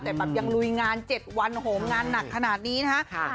แต่แบบยังลุยงาน๗วันโหมงานหนักขนาดนี้นะคะ